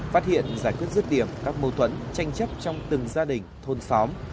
phát hiện giải quyết rứt điểm các mâu thuẫn tranh chấp trong từng gia đình thôn xóm